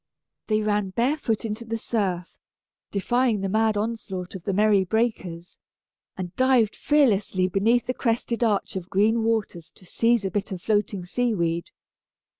They ran barefoot into the surf, defying the mad onslaught of the merry breakers, and dived fearlessly beneath the crested arch of green waters to seize a bit of floating seaweed.